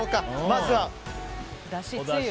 まずは。